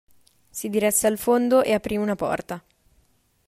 Si diresse al fondo e aprì una porta.